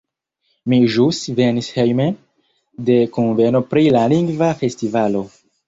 Mi ĵus venis hejmen, de kunveno pri la Lingva Festivalo.